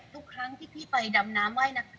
ทุกครั้งที่พี่ไปดำน้ำไหว้นะคะ